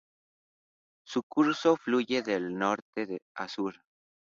Su curso fluye de norte a sur.